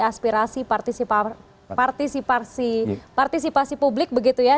aspirasi partisipasi publik begitu ya